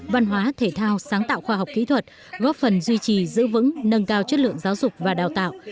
văn hóa thể thao sáng tạo khoa học kỹ thuật góp phần duy trì giữ vững nâng cao chất lượng giáo dục và đào tạo